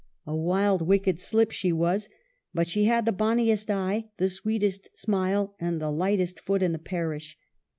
A wild, wicked slip she was ; but she had the bonniest eye, the sweetest smile, and the lightest foot in the parish.